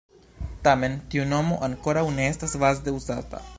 Tamen, tiu nomo ankoraŭ ne estas vaste uzata.